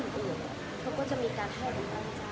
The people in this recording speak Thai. แนะนำแนวทางอะไรต่างแล้วก็พอเข้าไปดูเขาก็มีตัวตน